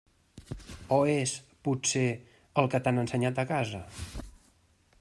O és, potser, el que t'han ensenyat a casa?